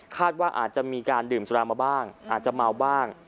ว่าอาจจะมีการดื่มสุรามาบ้างอาจจะเมาบ้าง